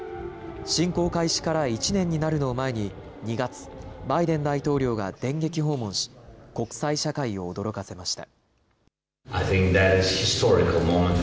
侵攻開始から１年になるのを前に２月、バイデン大統領が電撃訪問し国際社会を驚かせました。